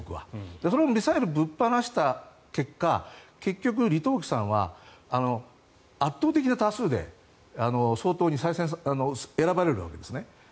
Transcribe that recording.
そのミサイルぶっ放した結果結局、李登輝さんは圧倒的多数で総統に選ばれるわけですね。